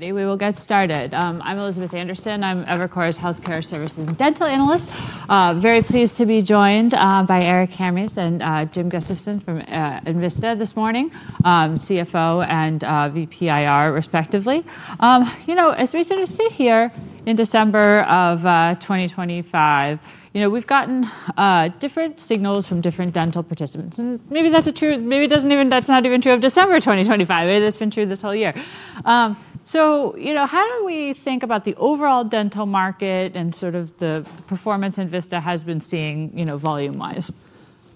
We will get started. I'm Elizabeth Anderson. I'm Evercore's Healthcare Services Dental Analyst. Very pleased to be joined by Eric Hammes and Jim Gustafson from Envista this morning, CFO and VPIR, respectively. You know, as we sort of see here in December of 2025, you know, we've gotten different signals from different dental participants. And maybe that's true. Maybe it doesn't even—that's not even true of December 2025. Maybe that's been true this whole year. So, you know, how do we think about the overall dental market and sort of the performance Envista has been seeing, you know, volume-wise?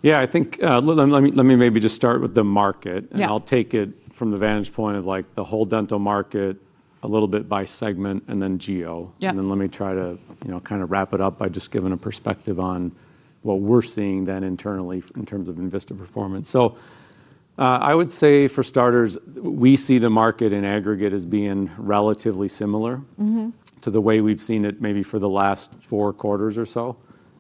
Yeah, I think let me maybe just start with the market, and I'll take it from the vantage point of like the whole dental market a little bit by segment and then geo, and then let me try to, you know, kind of wrap it up by just giving a perspective on what we're seeing then internally in terms of Envista performance, so I would say for starters, we see the market in aggregate as being relatively similar to the way we've seen it maybe for the last four quarters or so.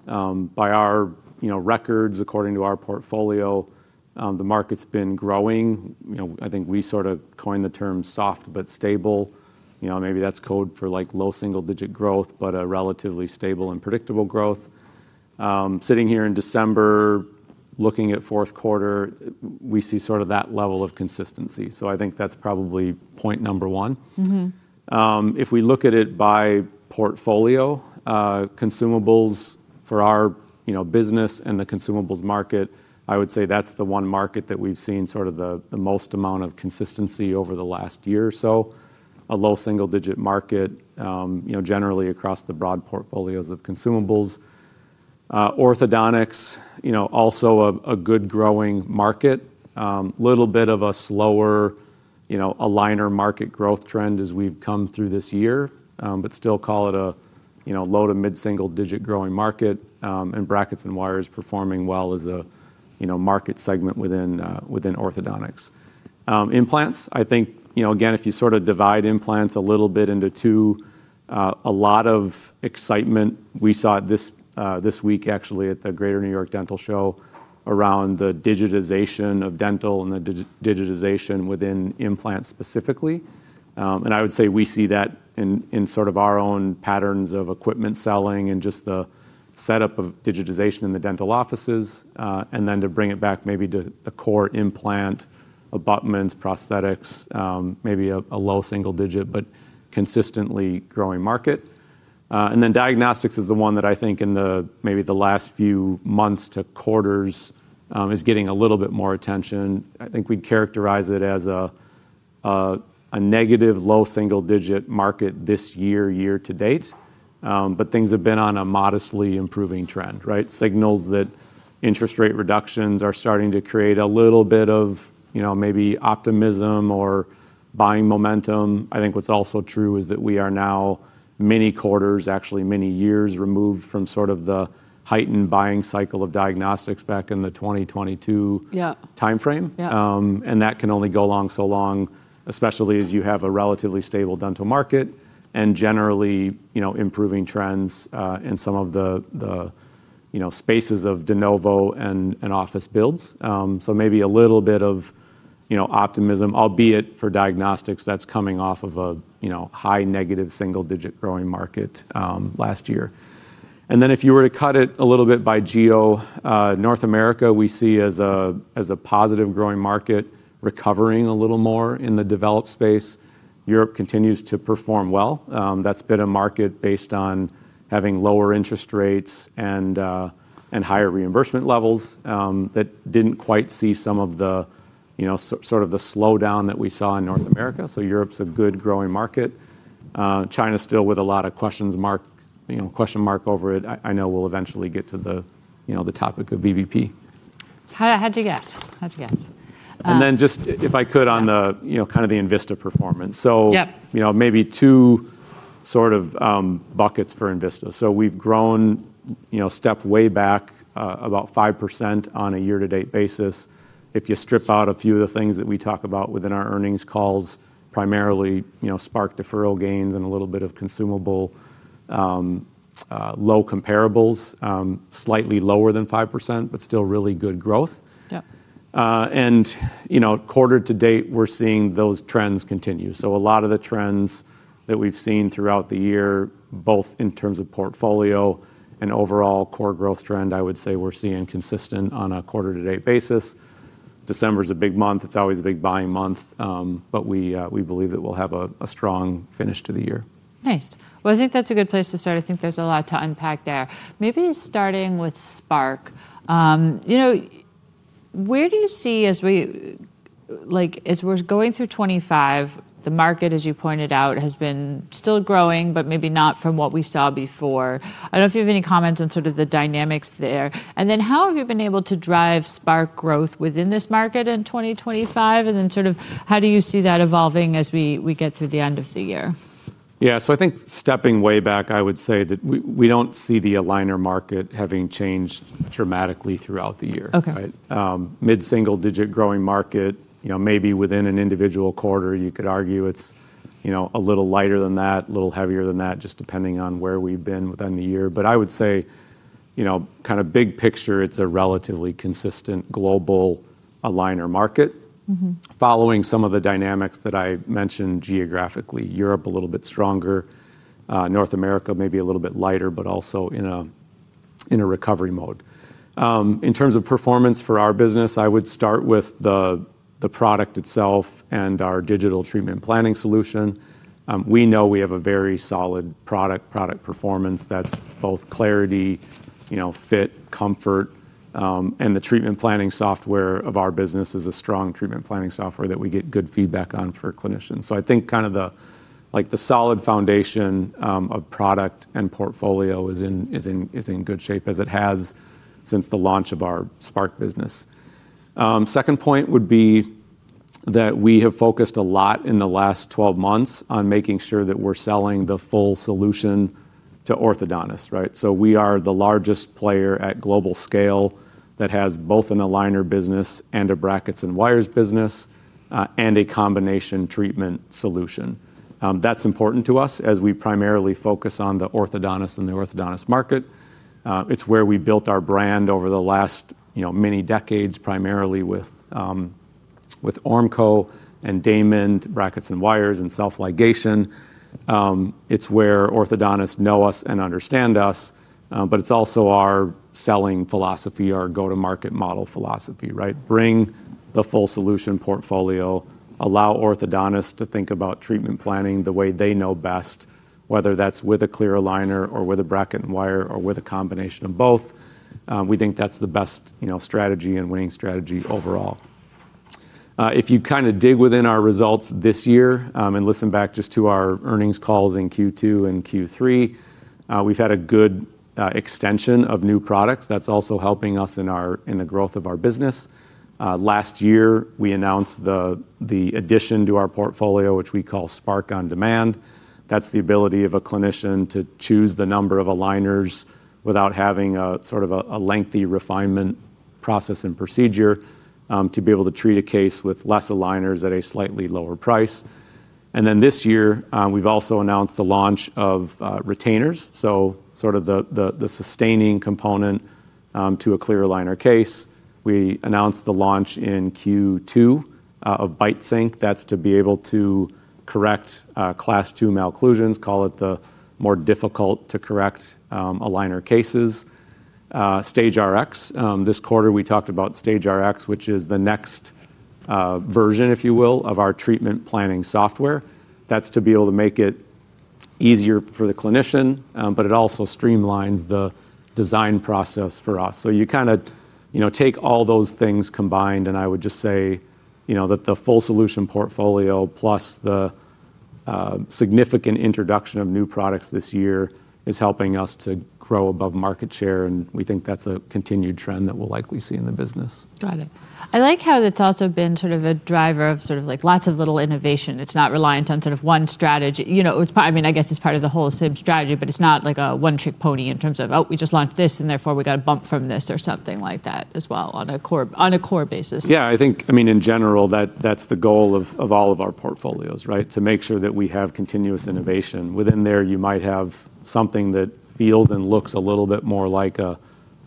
By our, you know, records, according to our portfolio, the market's been growing. You know, I think we sort of coined the term soft but stable. You know, maybe that's code for like low single-digit growth, but a relatively stable and predictable growth. Sitting here in December, looking at fourth quarter, we see sort of that level of consistency. So I think that's probably point number one. If we look at it by portfolio, consumables for our, you know, business and the consumables market, I would say that's the one market that we've seen sort of the most amount of consistency over the last year or so. A low single-digit market, you know, generally across the broad portfolios of consumables. Orthodontics, you know, also a good growing market. A little bit of a slower, you know, a liner market growth trend as we've come through this year, but still call it a, you know, low to mid-single-digit growing market. And brackets and wires performing well as a, you know, market segment within orthodontics. Implants, I think, you know, again, if you sort of divide implants a little bit into two, a lot of excitement we saw this week actually at the Greater New York Dental Show around the digitization of dental and the digitization within implants specifically. And I would say we see that in sort of our own patterns of equipment selling and just the setup of digitization in the dental offices. And then to bring it back maybe to the core implant, abutments, prosthetics, maybe a low single-digit but consistently growing market. And then diagnostics is the one that I think in the maybe the last few months to quarters is getting a little bit more attention. I think we'd characterize it as a negative low single-digit market this year, year to date. But things have been on a modestly improving trend, right? Signals that interest rate reductions are starting to create a little bit of, you know, maybe optimism or buying momentum. I think what's also true is that we are now many quarters, actually many-years removed from sort of the heightened buying cycle of diagnostics back in the 2022 timeframe. And that can only go along so long, especially as you have a relatively stable dental market and generally, you know, improving trends in some of the, you know, spaces of de novo and office builds. So maybe a little bit of, you know, optimism, albeit for diagnostics that's coming off of a, you know, high negative single-digit growing market last year. And then if you were to cut it a little bit by geo, North America we see as a positive growing market recovering a little more in the developed space. Europe continues to perform well. That's been a market based on having lower interest rates and higher reimbursement levels that didn't quite see some of the, you know, sort of the slowdown that we saw in North America. So Europe's a good growing market. China's still with a lot of questions, you know, question mark over it. I know we'll eventually get to the, you know, the topic of VBP. How'd you guess? How'd you guess? And then just if I could on the, you know, kind of the Envista performance. So, you know, maybe two sort of buckets for Envista. So we've grown, you know, stepped way back about 5% on a year-to-date basis. If you strip out a few of the things that we talk about within our earnings calls, primarily, you know, Spark deferral gains and a little bit of consumables low comparables, slightly lower than 5%, but still really good growth. And, you know, quarter to date, we're seeing those trends continue. So a lot of the trends that we've seen throughout the year, both in terms of portfolio and overall core growth trend, I would say we're seeing consistent on a quarter-to-date basis. December's a big month. It's always a big buying month, but we believe that we'll have a strong finish to the year. Nice. Well, I think that's a good place to start. I think there's a lot to unpack there. Maybe starting with Spark. You know, where do you see as we, like, as we're going through 2025, the market, as you pointed out, has been still growing, but maybe not from what we saw before. I don't know if you have any comments on sort of the dynamics there. And then how have you been able to drive Spark growth within this market in 2025? And then sort of how do you see that evolving as we get through the end of the year? Yeah, so I think stepping way back, I would say that we don't see the aligner market having changed dramatically throughout the year. Mid-single-digit growing market, you know, maybe within an individual quarter, you could argue it's, you know, a little lighter than that, a little heavier than that, just depending on where we've been within the year. But I would say, you know, kind of big picture, it's a relatively consistent global aligner market following some of the dynamics that I mentioned geographically. Europe a little bit stronger. North America maybe a little bit lighter, but also in a recovery mode. In terms of performance for our business, I would start with the product itself and our digital treatment planning solution. We know we have a very solid product performance that's both clarity, you know, fit, comfort, and the treatment planning software of our business is a strong treatment planning software that we get good feedback on for clinicians. So I think kind of the, like the solid foundation of product and portfolio is in good shape as it has since the launch of our Spark business. Second point would be that we have focused a lot in the last 12 months on making sure that we're selling the full solution to orthodontists, right? So we are the largest player at global scale that has both an aligner business and a brackets and wires business and a combination treatment solution. That's important to us as we primarily focus on the orthodontists and the orthodontist market. It's where we built our brand over the last, you know, many decades, primarily with Ormco and Damon, brackets and wires and self-ligation. It's where orthodontists know us and understand us, but it's also our selling philosophy, our go-to-market model philosophy, right? Bring the full solution portfolio, allow orthodontists to think about treatment planning the way they know best, whether that's with a clear aligner or with a bracket and wire or with a combination of both. We think that's the best, you know, strategy and winning strategy overall. If you kind of dig within our results this year and listen back just to our earnings calls in Q2 and Q3, we've had a good extension of new products. That's also helping us in the growth of our business. Last year, we announced the addition to our portfolio, which we call Spark On Demand. That's the ability of a clinician to choose the number of aligners without having a sort of a lengthy refinement process and procedure to be able to treat a case with less aligners at a slightly lower price. And then this year, we've also announced the launch of retainers. So sort of the sustaining component to a clear aligner case. We announced the launch in Q2 of BiteSync. That's to be able to correct Class II malocclusions, call it the more difficult to correct aligner cases. StageRx. This quarter, we talked about StageRx, which is the next version, if you will, of our treatment planning software. That's to be able to make it easier for the clinician, but it also streamlines the design process for us. You kind of, you know, take all those things combined, and I would just say, you know, that the full solution portfolio plus the significant introduction of new products this year is helping us to grow above market share. And we think that's a continued trend that we'll likely see in the business. Got it. I like how it's also been sort of a driver of sort of like lots of little innovation. It's not reliant on sort of one strategy. You know, I mean, I guess it's part of the whole SIM strategy, but it's not like a one-trick pony in terms of, oh, we just launched this and therefore we got a bump from this or something like that as well on a core basis. Yeah, I think, I mean, in general, that's the goal of all of our portfolios, right? To make sure that we have continuous innovation. Within there, you might have something that feels and looks a little bit more like a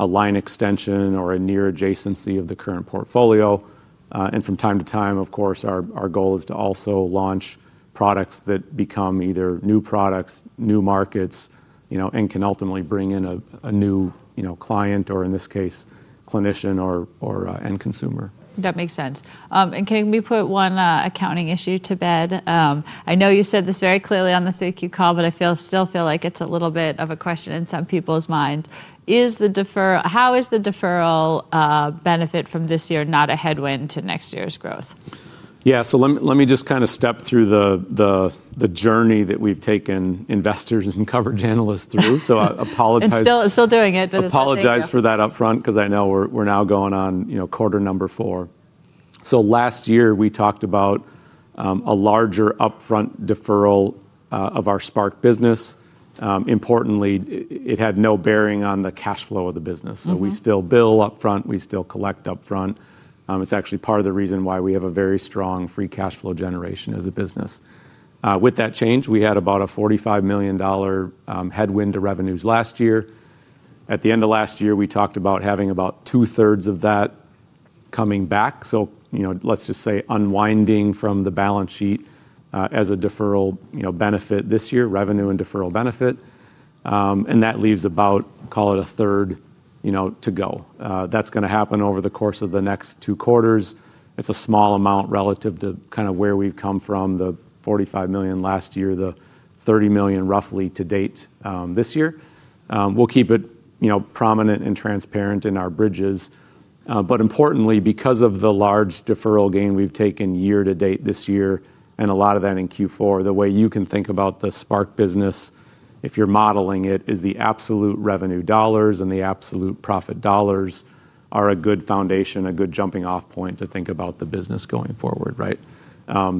line extension or a near adjacency of the current portfolio. And from time to time, of course, our goal is to also launch products that become either new products, new markets, you know, and can ultimately bring in a new, you know, client or in this case, clinician or end consumer. That makes sense. And can we put one accounting issue to bed? I know you said this very clearly on the Q3 call, but I still feel like it's a little bit of a question in some people's mind. Is the deferral, how is the deferral benefit from this year not a headwind to next year's growth? Yeah, so let me just kind of step through the journey that we've taken investors and coverage analysts through. So I apologize. Still doing it, but it's okay. apologize for that upfront because I know we're now going on, you know, quarter number four. So last year, we talked about a larger upfront deferral of our Spark business. Importantly, it had no bearing on the cash flow of the business. So we still bill upfront. We still collect upfront. It's actually part of the reason why we have a very strong free cash flow generation as a business. With that change, we had about a $45 million headwind to revenues last year. At the end of last year, we talked about having about two-thirds of that coming back. So, you know, let's just say unwinding from the balance sheet as a deferral, you know, benefit this year, revenue and deferral benefit. And that leaves about, call it a third, you know, to go. That's going to happen over the course of the next two quarters. It's a small amount relative to kind of where we've come from, the $45 million last-year, the $30 million roughly to date this year. We'll keep it, you know, prominent and transparent in our bridges. But importantly, because of the large deferral gain we've taken year to date this year and a lot of that in Q4, the way you can think about the Spark business, if you're modeling it, is the absolute revenue dollars and the absolute profit dollars are a good foundation, a good jumping-off point to think about the business going forward, right?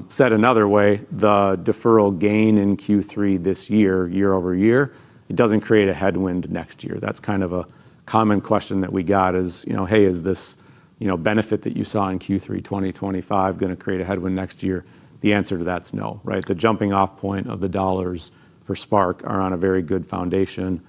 Said another way, the deferral gain in Q3 this year, year-over-year, it doesn't create a headwind next-year. That's kind of a common question that we got is, you know, hey, is this, you know, benefit that you saw in Q3 2025 going to create a headwind next year? The answer to that is no, right? The jumping-off point of the dollars for Spark are on a very good foundation,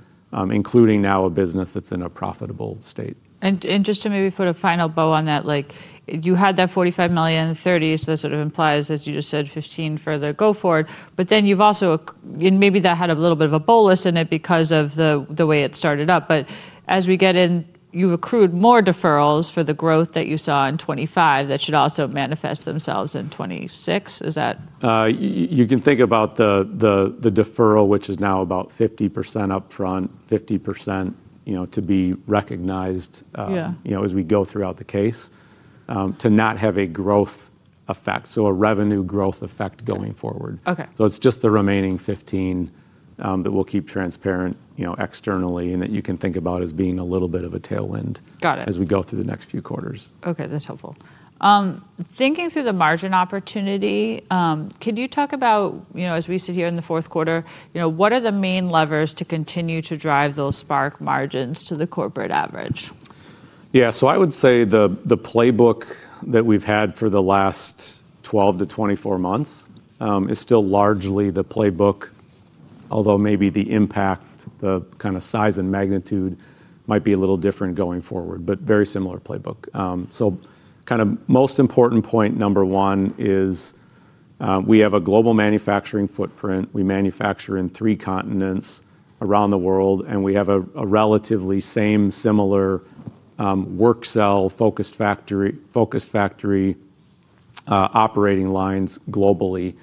including now a business that's in a profitable state. Just to maybe put a final bow on that, like you had that $45 million, $30 million, so that sort of implies, as you just said, $15 million further go forward. Then you've also, and maybe that had a little bit of a bolus in it because of the way it started up. As we get in, you've accrued more deferrals for the growth that you saw in 2025 that should also manifest themselves in 2026. Is that? You can think about the deferral, which is now about 50% upfront, 50%, you know, to be recognized, you know, as we go throughout the case to not have a growth effect. So a revenue growth effect going forward. So it's just the remaining $15 million that we'll keep transparent, you know, externally and that you can think about as being a little bit of a tailwind as we go through the next few quarters. Okay, that's helpful. Thinking through the margin opportunity, could you talk about, you know, as we sit here in the fourth quarter, you know, what are the main levers to continue to drive those Spark margins to the corporate average? Yeah, so I would say the playbook that we've had for the last 12 to 24 months is still largely the playbook, although maybe the impact, the kind of size and magnitude might be a little different going forward, but very similar playbook. So kind of most important point, number one is we have a global manufacturing footprint. We manufacture in three continents around the world, and we have a relatively same similar work cell focused factory operating lines globally.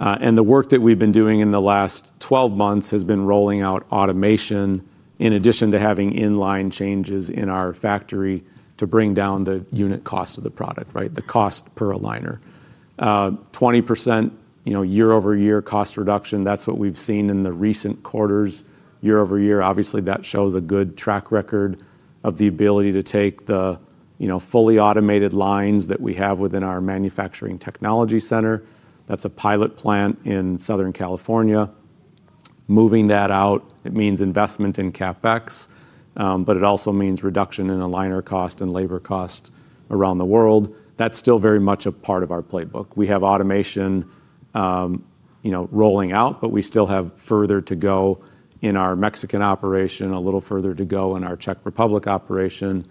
And the work that we've been doing in the last 12 months has been rolling out automation in addition to having inline changes in our factory to bring down the unit cost of the product, right? The cost per aligner. 20%, you know, year-over-year cost reduction. That's what we've seen in the recent quarters, year-over-year. Obviously, that shows a good track record of the ability to take the, you know, fully automated lines that we have within our manufacturing technology center. That's a pilot plant in Southern California. Moving that out, it means investment in CapEx, but it also means reduction in aligner cost and labor cost around the world. That's still very much a part of our playbook. We have automation, you know, rolling out, but we still have further to go in our Mexican operation, a little further to go in our Czech Republic operation,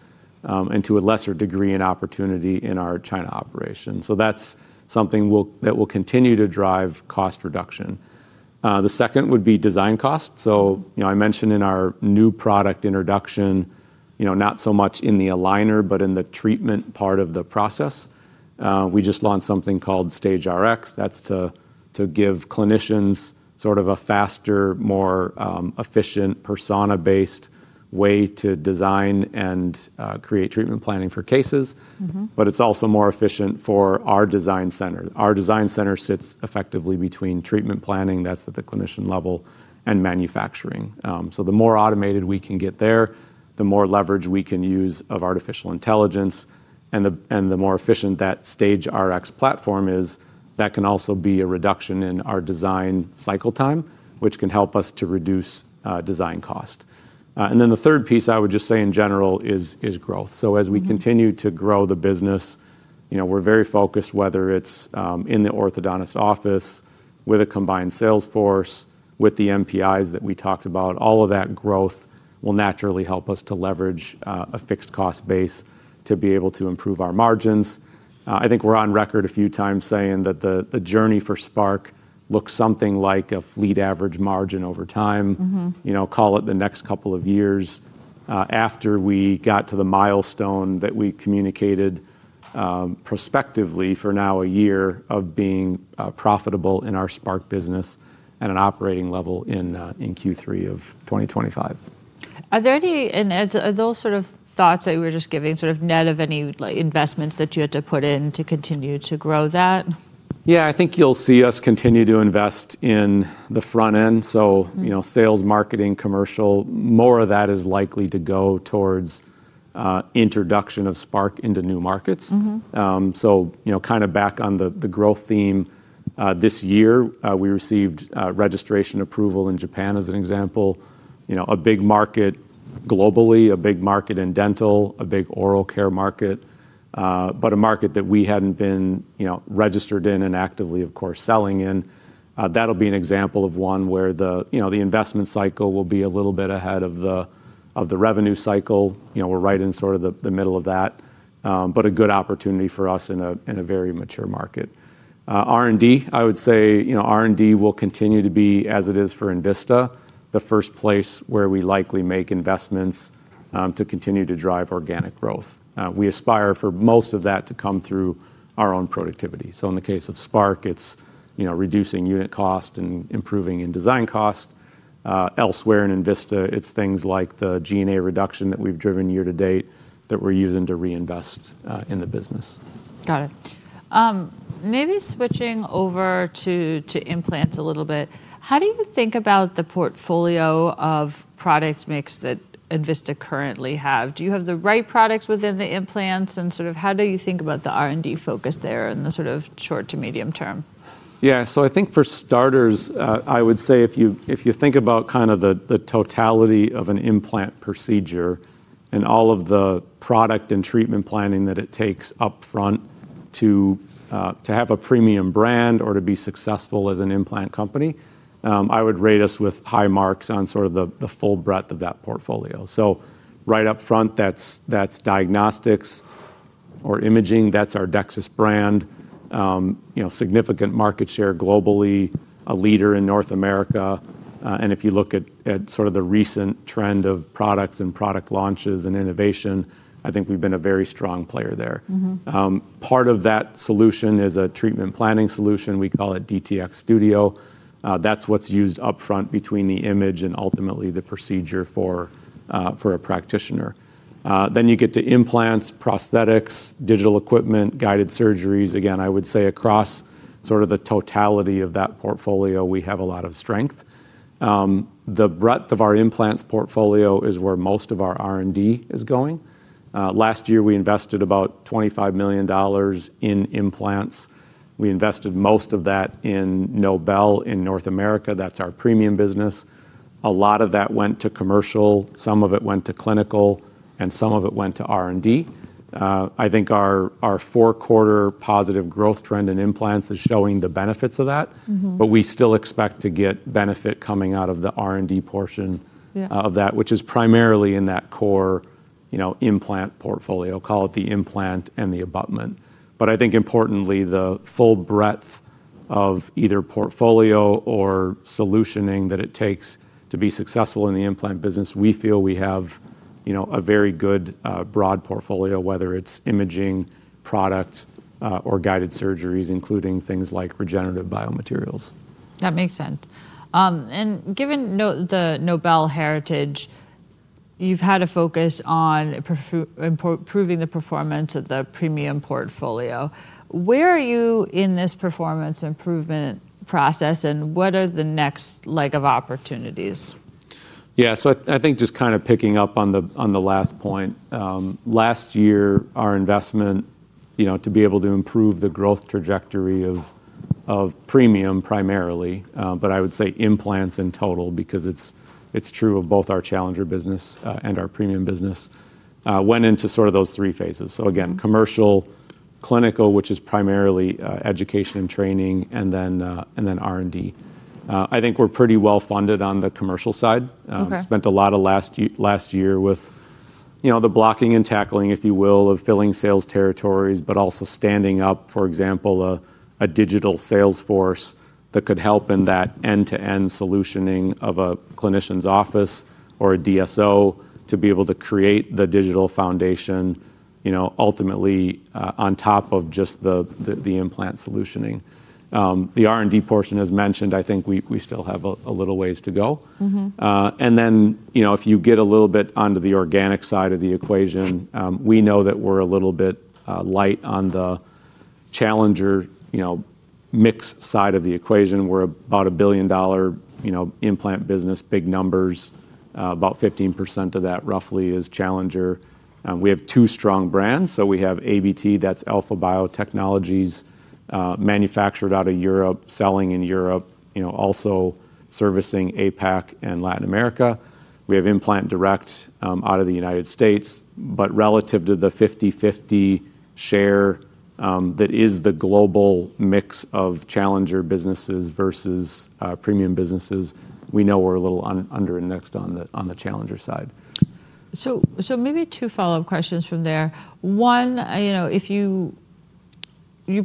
and to a lesser degree an opportunity in our China operation. So that's something that will continue to drive cost reduction. The second would be design cost. So, you know, I mentioned in our new product introduction, you know, not so much in the aligner, but in the treatment part of the process. We just launched something called StageRx. That's to give clinicians sort of a faster, more efficient persona-based way to design and create treatment planning for cases, but it's also more efficient for our design center. Our design center sits effectively between treatment planning, that's at the clinician level, and manufacturing. So the more automated we can get there, the more leverage we can use of artificial intelligence, and the more efficient that StageRx platform is, that can also be a reduction in our design cycle time, which can help us to reduce design cost. And then the third piece I would just say in general is growth. So as we continue to grow the business, you know, we're very focused, whether it's in the orthodontist office, with a combined sales force, with the MPIs that we talked about, all of that growth will naturally help us to leverage a fixed cost base to be able to improve our margins. I think we're on record a few times saying that the journey for Spark looks something like a fleet average margin over time, you know, call it the next couple of years after we got to the milestone that we communicated prospectively for now a year of being profitable in our Spark business at an operating level in Q3 of 2025. Are there any, and those sort of thoughts that you were just giving, sort of net of any investments that you had to put in to continue to grow that? Yeah, I think you'll see us continue to invest in the front end. So, you know, sales, marketing, commercial, more of that is likely to go towards introduction of Spark into new markets. So, you know, kind of back on the growth theme, this year we received registration approval in Japan as an example, you know, a big market globally, a big market in dental, a big oral care market, but a market that we hadn't been, you know, registered in and actively, of course, selling in. That'll be an example of one where the, you know, the investment cycle will be a little bit ahead of the revenue cycle. You know, we're right in sort of the middle of that, but a good opportunity for us in a very mature market. R&D, I would say, you know, R&D will continue to be as it is for Envista, the first place where we likely make investments to continue to drive organic growth. We aspire for most of that to come through our own productivity. So in the case of Spark, it's, you know, reducing unit cost and improving in design cost. Elsewhere in Envista, it's things like the G&A reduction that we've driven year to date that we're using to reinvest in the business. Got it. Maybe switching over to implants a little bit. How do you think about the portfolio of product mix that Envista currently have? Do you have the right products within the implants and sort of how do you think about the R&D focus there in the sort of short to medium term? Yeah, so I think for starters, I would say if you think about kind of the totality of an implant procedure and all of the product and treatment planning that it takes upfront to have a premium brand or to be successful as an implant company, I would rate us with high marks on sort of the full breadth of that portfolio. So right upfront, that's diagnostics or imaging. That's our DEXIS brand, you know, significant market share globally, a leader in North America. And if you look at sort of the recent trend of products and product launches and innovation, I think we've been a very strong player there. Part of that solution is a treatment planning solution. We call it DTX Studio. That's what's used upfront between the image and ultimately the procedure for a practitioner. Then you get to implants, prosthetics, digital equipment, guided surgeries. Again, I would say across sort of the totality of that portfolio, we have a lot of strength. The breadth of our implants portfolio is where most of our R&D is going. Last year, we invested about $25 million in implants. We invested most of that in Nobel in North America. That's our premium business. A lot of that went to commercial, some of it went to clinical, and some of it went to R&D. I think our four-quarter positive growth trend in implants is showing the benefits of that, but we still expect to get benefit coming out of the R&D portion of that, which is primarily in that core, you know, implant portfolio, call it the implant and the abutment. But I think importantly, the full breadth of either portfolio or solutioning that it takes to be successful in the implant business, we feel we have, you know, a very good broad portfolio, whether it's imaging, product, or guided surgeries, including things like regenerative biomaterials. That makes sense. And given the Nobel heritage, you've had a focus on improving the performance of the premium portfolio. Where are you in this performance improvement process and what are the next leg of opportunities? Yeah, so I think just kind of picking up on the last point. Last year, our investment, you know, to be able to improve the growth trajectory of premium primarily, but I would say implants in total because it's true of both our challenger business and our premium business, went into sort of those three phases. So again, commercial, clinical, which is primarily education and training, and then R&D. I think we're pretty well funded on the commercial side. Spent a lot of last year with, you know, the blocking and tackling, if you will, of filling sales territories, but also standing up, for example, a digital sales force that could help in that end-to-end solutioning of a clinician's office or a DSO to be able to create the digital foundation, you know, ultimately on top of just the implant solutioning. The R&D portion, as mentioned, I think we still have a little ways to go. And then, you know, if you get a little bit onto the organic side of the equation, we know that we're a little bit light on the challenger, you know, mix side of the equation. We're about a $1 billion, you know, implant business, big numbers, about 15% of that roughly is challenger. We have two strong brands. So we have ABT, that's Alpha Biotechnologies, manufactured out of Europe, selling in Europe, you know, also servicing APAC and Latin America. We have Implant Direct out of the United States, but relative to the 50-50 share that is the global mix of challenger businesses versus premium businesses, we know we're a little under-indexed on the challenger side. So maybe two follow-up questions from there. One, you know, if you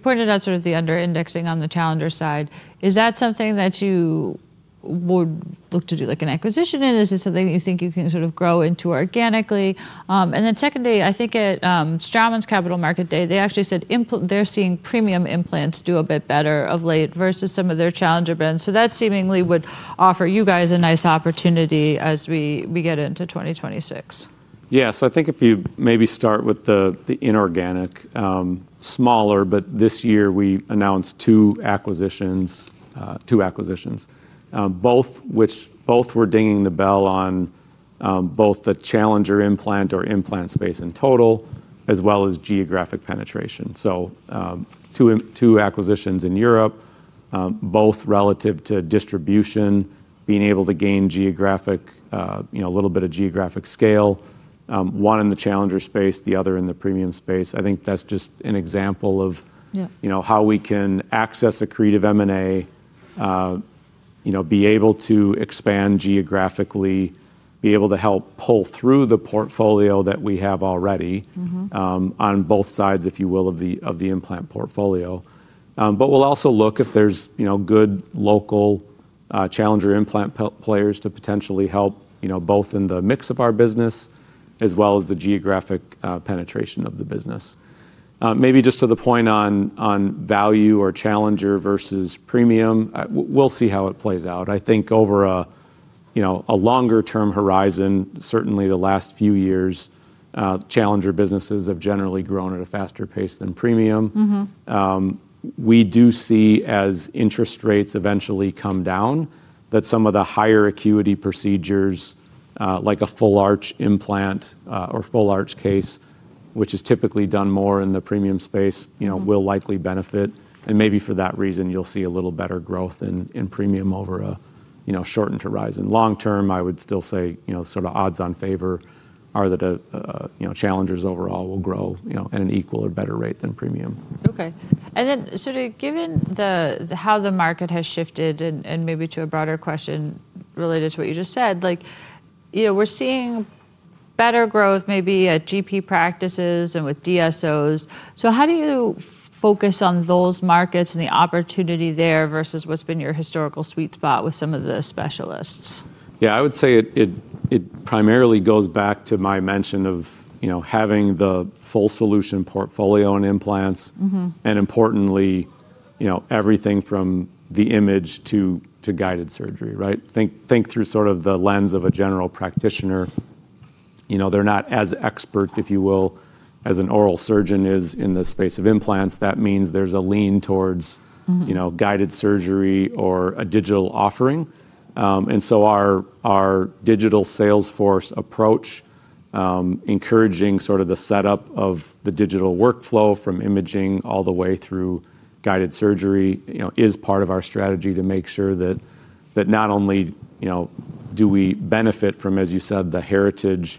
pointed out sort of the under-indexing on the challenger side, is that something that you would look to do like an acquisition, and is it something that you think you can sort of grow into organically? And then secondly, I think at Straumann's Capital Market Day, they actually said they're seeing premium implants do a bit better of late versus some of their challenger brands. So that seemingly would offer you guys a nice opportunity as we get into 2026. Yeah, so I think if you maybe start with the inorganic, smaller, but this year we announced two acquisitions, two acquisitions, both which both were ringing the bell on both the Challenger implant or implant space in total, as well as geographic penetration. So two acquisitions in Europe, both relative to distribution, being able to gain geographic, you know, a little bit of geographic scale, one in the Challenger space, the other in the premium space. I think that's just an example of, you know, how we can access a creative M&A, you know, be able to expand geographically, be able to help pull through the portfolio that we have already on both sides, if you will, of the implant portfolio. We'll also look if there's, you know, good local challenger implant players to potentially help, you know, both in the mix of our business as well as the geographic penetration of the business. Maybe just to the point on value or challenger versus premium, we'll see how it plays out. I think over, you know, a longer-term horizon, certainly the last few years, challenger businesses have generally grown at a faster pace than premium. We do see as interest rates eventually come down that some of the higher acuity procedures, like a full arch implant or full arch case, which is typically done more in the premium space, you know, will likely benefit. Maybe for that reason, you'll see a little better growth in premium over a, you know, shortened horizon. Long term, I would still say, you know, sort of odds on favor are that, you know, challengers overall will grow, you know, at an equal or better rate than premium. Okay. And then sort of given how the market has shifted and maybe to a broader question related to what you just said, like, you know, we're seeing better growth maybe at GP practices and with DSOs. So how do you focus on those markets and the opportunity there versus what's been your historical sweet spot with some of the specialists? Yeah, I would say it primarily goes back to my mention of, you know, having the full solution portfolio and implants and importantly, you know, everything from the imaging to guided surgery, right? Think through sort of the lens of a general practitioner. You know, they're not as expert, if you will, as an oral surgeon is in the space of implants. That means there's a lean towards, you know, guided surgery or a digital offering. And so our digital sales force approach, encouraging sort of the setup of the digital workflow from imaging all the way through guided surgery, you know, is part of our strategy to make sure that not only, you know, do we benefit from, as you said, the heritage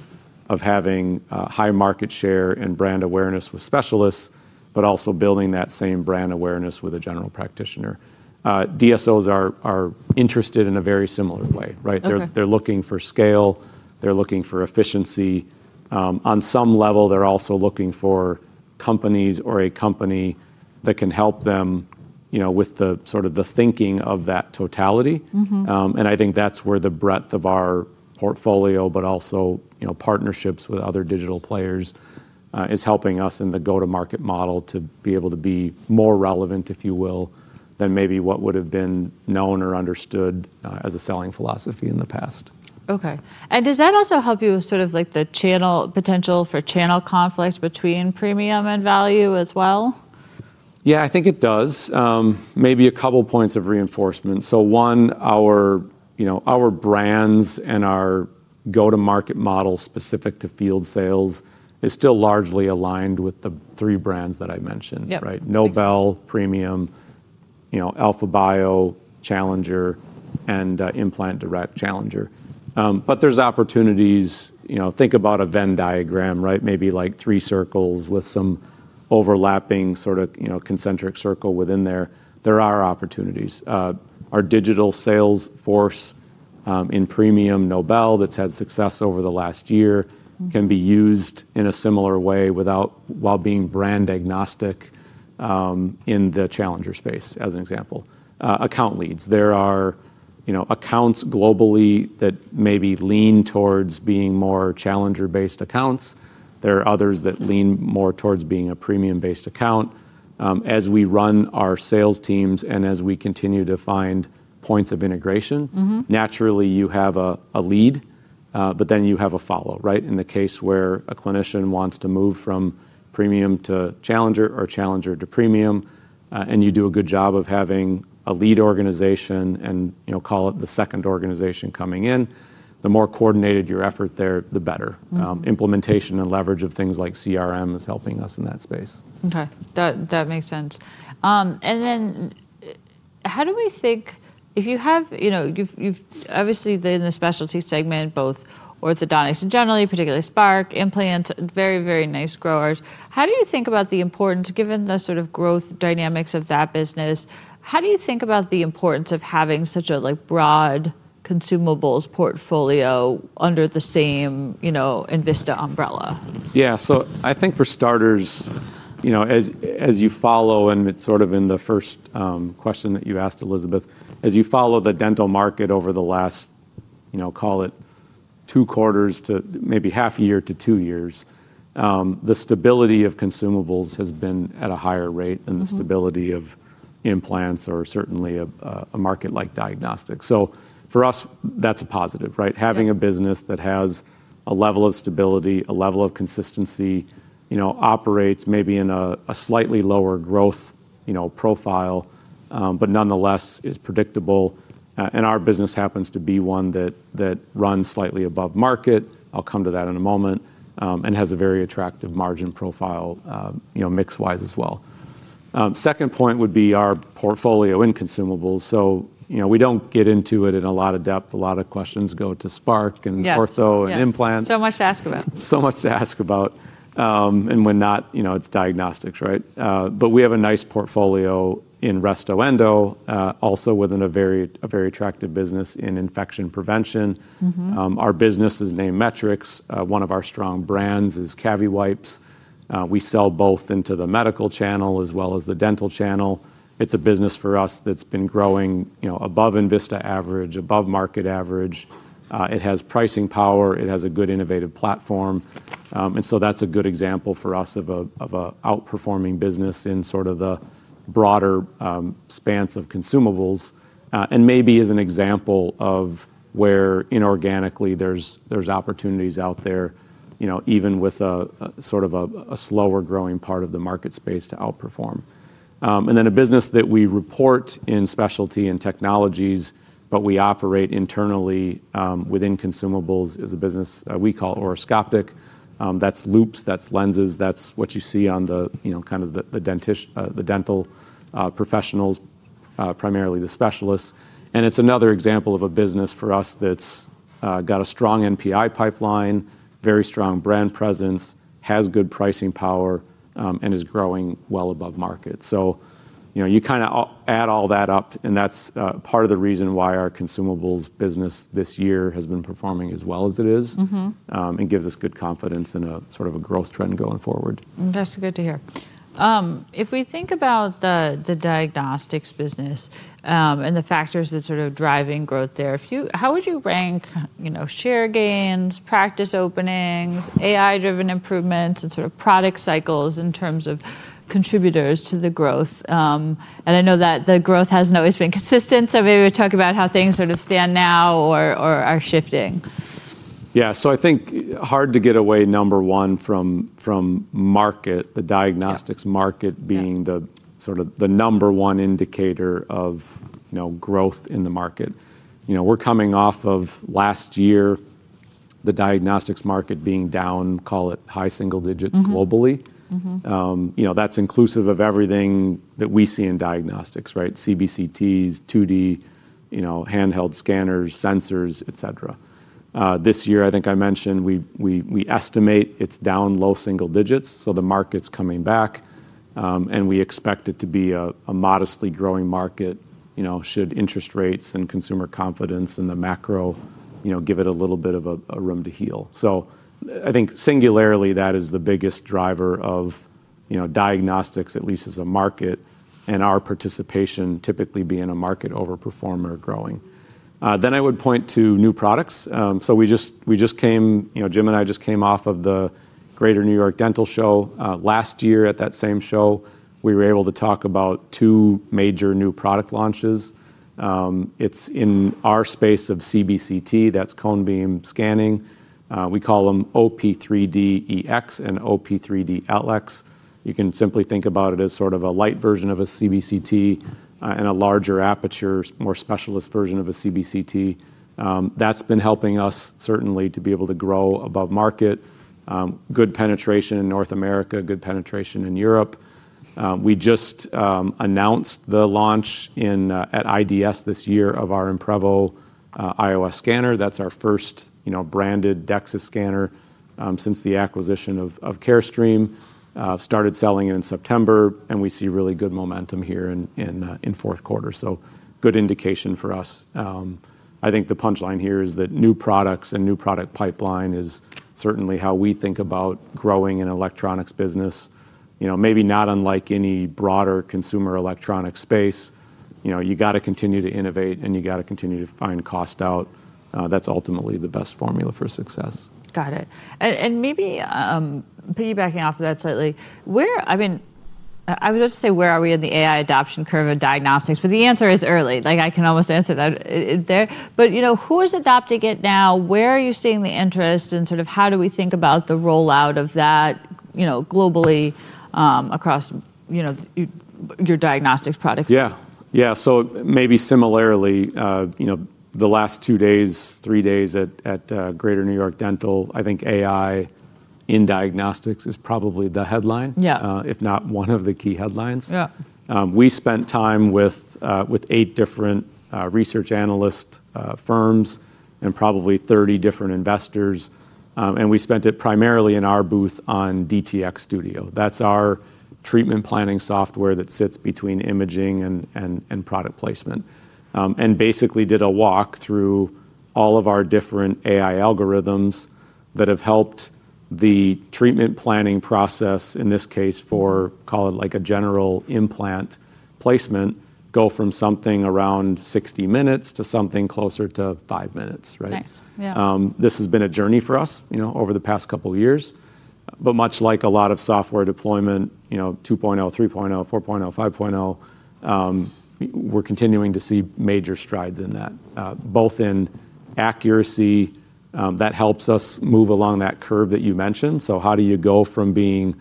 of having high market share and brand awareness with specialists, but also building that same brand awareness with a general practitioner. DSOs are interested in a very similar way, right? They're looking for scale, they're looking for efficiency. On some level, they're also looking for companies or a company that can help them, you know, with the sort of the thinking of that totality. And I think that's where the breadth of our portfolio, but also, you know, partnerships with other digital players is helping us in the go-to-market model to be able to be more relevant, if you will, than maybe what would have been known or understood as a selling philosophy in the past. Okay. And does that also help you with sort of like the channel potential for channel conflict between premium and value as well? Yeah, I think it does. Maybe a couple points of reinforcement. So one, our, you know, our brands and our go-to-market model specific to field sales is still largely aligned with the three brands that I mentioned, right? Nobel, premium, you know, Alpha-Bio, challenger, and Implant Direct challenger. But there's opportunities, you know, think about a Venn diagram, right? Maybe like three circles with some overlapping sort of, you know, concentric circle within there. There are opportunities. Our digital sales force in premium Nobel that's had success over the last year can be used in a similar way without, while being brand agnostic in the challenger space, as an example. Account leads, there are, you know, accounts globally that maybe lean towards being more challenger-based accounts. There are others that lean more towards being a premium-based account. As we run our sales teams and as we continue to find points of integration, naturally you have a lead, but then you have a follow, right? In the case where a clinician wants to move from premium to challenger or challenger to premium, and you do a good job of having a lead organization and, you know, call it the second organization coming in, the more coordinated your effort there, the better. Implementation and leverage of things like CRM is helping us in that space. Okay. That makes sense. And then how do we think, if you have, you know, you've obviously been in the specialty segment, both orthodontics and generally, particularly Spark, implants, very, very nice growers. How do you think about the importance, given the sort of growth dynamics of that business? How do you think about the importance of having such a broad consumables portfolio under the same, you know, Envista umbrella? Yeah, so I think for starters, you know, as you follow, and it's sort of in the first question that you asked, Elizabeth, as you follow the dental market over the last, you know, call it two quarters to maybe half a year to two years, the stability of consumables has been at a higher rate than the stability of implants or certainly a market like diagnostics. So for us, that's a positive, right? Having a business that has a level of stability, a level of consistency, you know, operates maybe in a slightly lower growth, you know, profile, but nonetheless is predictable, and our business happens to be one that runs slightly above market. I'll come to that in a moment, and it has a very attractive margin profile, you know, mix-wise as well. Second point would be our portfolio in consumables. So, you know, we don't get into it in a lot of depth. A lot of questions go to Spark and Ortho and Implant. Yes, so much to ask about. So much to ask about. And when not, you know, it's diagnostics, right? But we have a nice portfolio in Resto Endo, also within a very attractive business in infection prevention. Our business is named Metrex. One of our strong brands is CaviWipes. We sell both into the medical channel as well as the dental channel. It's a business for us that's been growing, you know, above Envista average, above market average. It has pricing power. It has a good innovative platform. And so that's a good example for us of an outperforming business in sort of the broader spans of consumables. And maybe as an example of where inorganically there's opportunities out there, you know, even with a sort of a slower growing part of the market space to outperform. And then a business that we report in specialty and technologies, but we operate internally within consumables is a business we call Orascoptic. That's loupes, that's lenses, that's what you see on the, you know, kind of the dental professionals, primarily the specialists. And it's another example of a business for us that's got a strong NPI pipeline, very strong brand presence, has good pricing power, and is growing well above market. So, you know, you kind of add all that up, and that's part of the reason why our consumables business this year has been performing as well as it is and gives us good confidence in a sort of a growth trend going forward. That's good to hear. If we think about the diagnostics business and the factors that sort of driving growth there, how would you rank, you know, share gains, practice openings, AI-driven improvements, and sort of product cycles in terms of contributors to the growth? And I know that the growth hasn't always been consistent, so maybe we talk about how things sort of stand now or are shifting. Yeah, so I think hard to get away number one from market, the diagnostics market being the sort of the number one indicator of, you know, growth in the market. You know, we're coming off of last year, the diagnostics market being down, call it high single digits globally. You know, that's inclusive of everything that we see in diagnostics, right? CBCTs, 2D, you know, handheld scanners, sensors, etc. This year, I think I mentioned we estimate it's down low single digits, so the market's coming back, and we expect it to be a modestly growing market, you know, should interest rates and consumer confidence and the macro, you know, give it a little bit of a room to heal. So I think singularly that is the biggest driver of, you know, diagnostics, at least as a market, and our participation typically being a market overperformer growing. Then I would point to new products. So we just came, you know, Jim and I just came off of the Greater New York Dental Show last year. At that same show, we were able to talk about two major new product launches. It's in our space of CBCT, that's cone beam scanning. We call them OP3D EX and OP3D LX. You can simply think about it as sort of a light version of a CBCT and a larger aperture, more specialist version of a CBCT. That's been helping us certainly to be able to grow above market, good penetration in North America, good penetration in Europe. We just announced the launch at IDS this year of our Imprevo IOS scanner. That's our first, you know, branded DEXIS scanner since the acquisition of Carestream. Started selling it in September, and we see really good momentum here in fourth quarter. So, good indication for us. I think the punchline here is that new products and new product pipeline is certainly how we think about growing an electronics business. You know, maybe not unlike any broader consumer electronics space. You know, you got to continue to innovate and you got to continue to find cost out. That's ultimately the best formula for success. Got it, and maybe piggybacking off of that slightly, where, I mean, I would just say where are we in the AI adoption curve of diagnostics, but the answer is early. Like I can almost answer that there. But you know, who is adopting it now? Where are you seeing the interest and sort of how do we think about the rollout of that, you know, globally across, you know, your diagnostics products? Yeah, yeah. So maybe similarly, you know, the last two days, three days at Greater New York Dental. I think AI in diagnostics is probably the headline, if not one of the key headlines. We spent time with eight different research analyst firms and probably 30 different investors. And we spent it primarily in our booth on DTX Studio. That's our treatment planning software that sits between imaging and product placement. And basically did a walk through all of our different AI algorithms that have helped the treatment planning process, in this case for, call it like a general implant placement, go from something around 60 minutes to something closer to five minutes, right? Nice. Yeah. This has been a journey for us, you know, over the past couple of years. But much like a lot of software deployment, you know, 2.0, 3.0, 4.0, 5.0, we're continuing to see major strides in that, both in accuracy. That helps us move along that curve that you mentioned. So how do you go from being,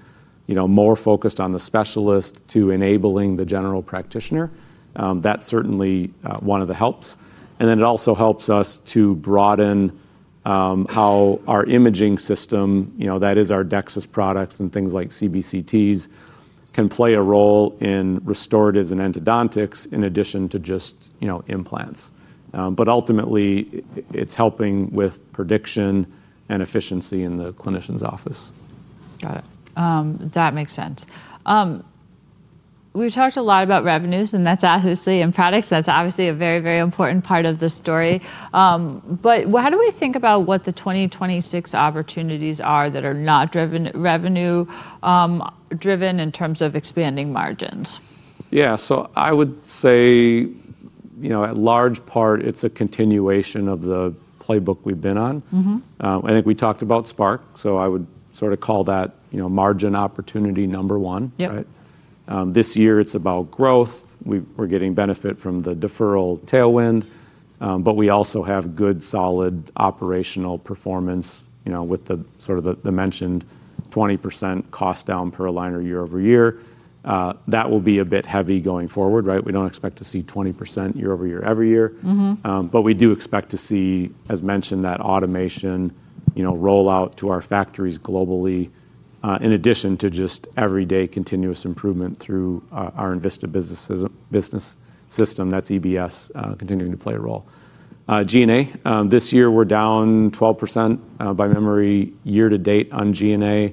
you know, more focused on the specialist to enabling the general practitioner? That's certainly one of the helps. And then it also helps us to broaden how our imaging system, you know, that is our DEXIS products and things like CBCTs can play a role in restoratives and endodontics in addition to just, you know, implants. But ultimately, it's helping with prediction and efficiency in the clinician's office. Got it. That makes sense. We've talked a lot about revenues and that's obviously in products. That's obviously a very, very important part of the story. But how do we think about what the 2026 opportunities are that are not revenue-driven in terms of expanding margins? Yeah, so I would say, you know, a large part, it's a continuation of the playbook we've been on. I think we talked about Spark, so I would sort of call that, you know, margin opportunity number one, right? This year it's about growth. We're getting benefit from the deferral tailwind, but we also have good solid operational performance, you know, with the sort of the mentioned 20% cost down per liner year-over-year. That will be a bit heavy going forward, right? We don't expect to see 20% year-over-year every year. But we do expect to see, as mentioned, that automation, you know, rollout to our factories globally, in addition to just everyday continuous improvement through our Envista business system. That's EBS continuing to play a role. G&A, this year we're down 12% by memory year to date on G&A.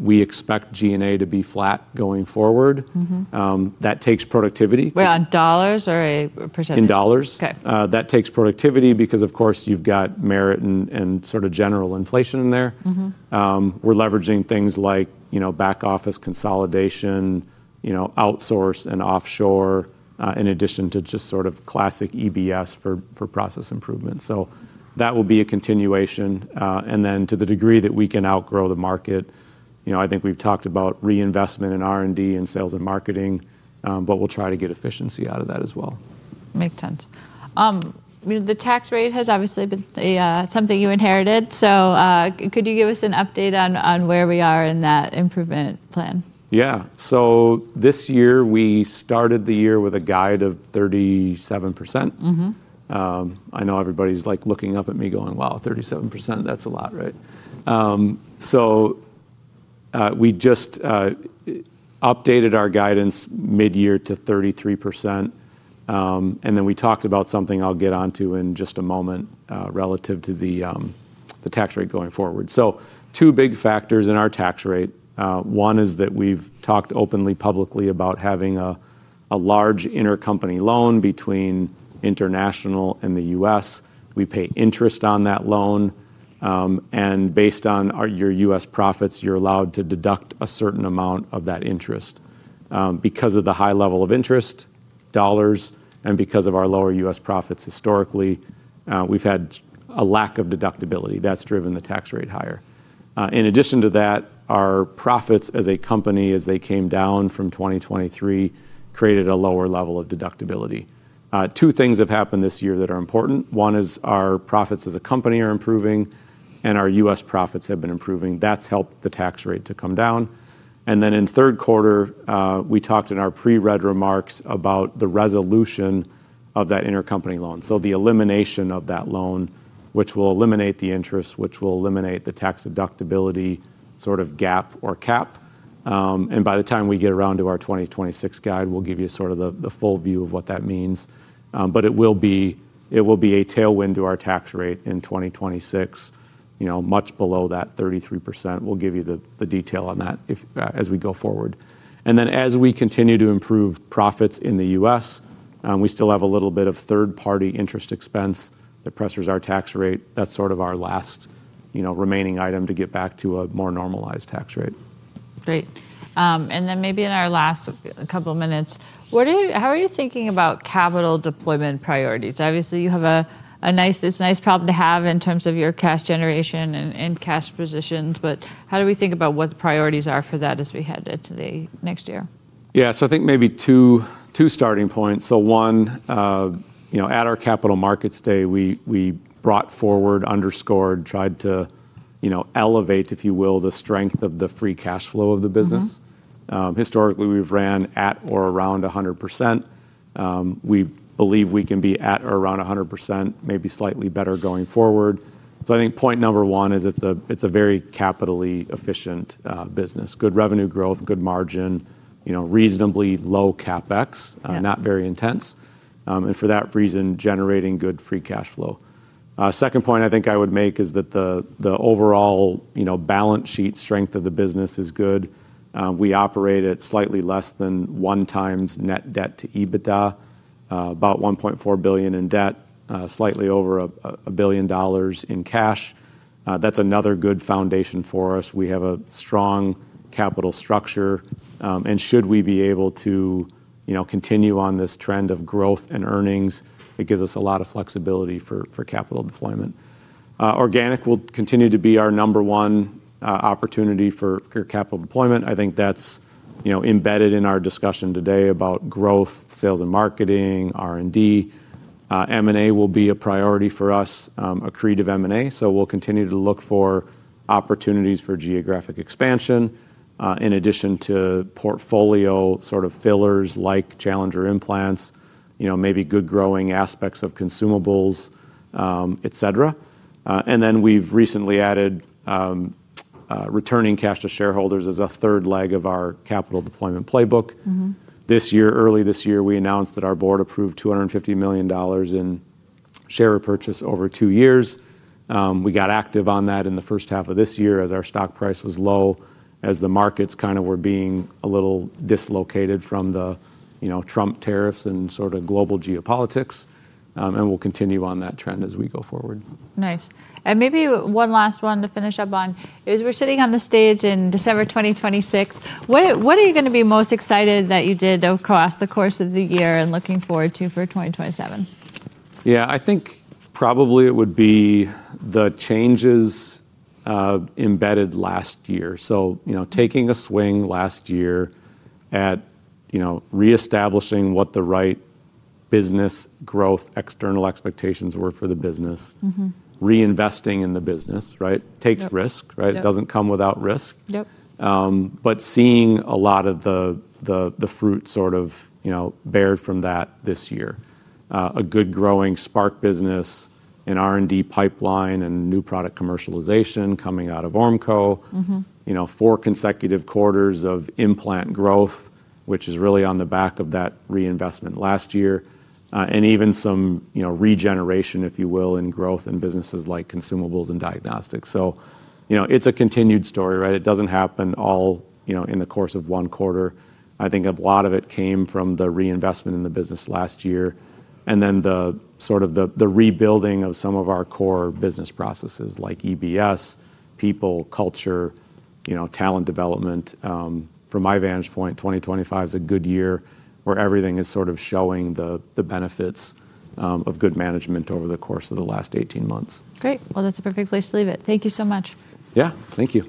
We expect G&A to be flat going forward. That takes productivity. Wait, on dollars or percentage? In dollars. That takes productivity because, of course, you've got merit and sort of general inflation in there. We're leveraging things like, you know, back office consolidation, you know, outsource and offshore, in addition to just sort of classic EBS for process improvement. So that will be a continuation. And then to the degree that we can outgrow the market, you know, I think we've talked about reinvestment in R&D and sales and marketing, but we'll try to get efficiency out of that as well. Makes sense. The tax rate has obviously been something you inherited. So could you give us an update on where we are in that improvement plan? Yeah. So this year we started the year with a guide of 37%. I know everybody's like looking up at me going, "Wow, 37%, that's a lot, right?" So we just updated our guidance mid-year to 33%, and then we talked about something I'll get onto in just a moment relative to the tax rate going forward, so two big factors in our tax rate. One is that we've talked openly publicly about having a large intercompany loan between international and the U.S. We pay interest on that loan, and based on your U.S. profits, you're allowed to deduct a certain amount of that interest. Because of the high level of interest, dollars, and because of our lower U.S. profits historically, we've had a lack of deductibility that's driven the tax rate higher. In addition to that, our profits as a company, as they came down from 2023, created a lower level of deductibility. Two things have happened this year that are important. One is our profits as a company are improving and our U.S. profits have been improving. That's helped the tax rate to come down, and then in third quarter, we talked in our pre-read remarks about the resolution of that intercompany loan, so the elimination of that loan, which will eliminate the interest, which will eliminate the tax deductibility sort of gap or cap, and by the time we get around to our 2026 guide, we'll give you sort of the full view of what that means, but it will be a tailwind to our tax rate in 2026, you know, much below that 33%. We'll give you the detail on that as we go forward. And then as we continue to improve profits in the U.S., we still have a little bit of third-party interest expense that pressures our tax rate. That's sort of our last, you know, remaining item to get back to a more normalized tax rate. Great. And then maybe in our last couple of minutes, how are you thinking about capital deployment priorities? Obviously, you have a nice problem to have in terms of your cash generation and cash positions, but how do we think about what the priorities are for that as we head into the next-year? Yeah, so I think maybe two starting points. So one, you know, at our capital markets day, we brought forward, underscored, tried to, you know, elevate, if you will, the strength of the free cash flow of the business. Historically, we've ran at or around 100%. We believe we can be at or around 100%, maybe slightly better going forward. So I think point number one is it's a very capitally efficient business. Good revenue growth, good margin, you know, reasonably low CapEx, not very intense. And for that reason, generating good free cash flow. Second point I think I would make is that the overall, you know, balance sheet strength of the business is good. We operate at slightly less than one times net debt to EBITDA, about $1.4 billion in debt, slightly over $1 billion in cash. That's another good foundation for us. We have a strong capital structure. And should we be able to, you know, continue on this trend of growth and earnings, it gives us a lot of flexibility for capital deployment. Organic will continue to be our number one opportunity for capital deployment. I think that's, you know, embedded in our discussion today about growth, sales and marketing, R&D. M&A will be a priority for us, accretive M&A. So we'll continue to look for opportunities for geographic expansion in addition to portfolio sort of fillers like Challenger implants, you know, maybe good growing aspects of consumables, et cetera. And then we've recently added returning cash to shareholders as a third leg of our capital deployment playbook. This year, early this year, we announced that our board approved $250 million in share purchase over two years. We got active on that in the first half of this year as our stock price was low, as the markets kind of were being a little dislocated from the, you know, Trump tariffs and sort of global geopolitics, and we'll continue on that trend as we go forward. Nice. And maybe one last one to finish up on is we're sitting on the stage in December 2026. What are you going to be most excited that you did across the course of the year and looking forward to for 2027? Yeah, I think probably it would be the changes embedded last year. So, you know, taking a swing last year at, you know, reestablishing what the right business growth external expectations were for the business, reinvesting in the business, right? Takes risk, right? It doesn't come without risk. But seeing a lot of the fruit sort of, you know, borne from that this year. A good growing Spark business and R&D pipeline and new product commercialization coming out of Ormco, you know, four consecutive quarters of implant growth, which is really on the back of that reinvestment last year. And even some, you know, regeneration, if you will, in growth in businesses like consumables and diagnostics. So, you know, it's a continued story, right? It doesn't happen all, you know, in the course of one quarter. I think a lot of it came from the reinvestment in the business last-year. And then the sort of rebuilding of some of our core business processes like EBS, people, culture, you know, talent development. From my vantage point, 2025 is a good year where everything is sort of showing the benefits of good management over the course of the last 18 months. Great. Well, that's a perfect place to leave it. Thank you so much. Yeah, thank you.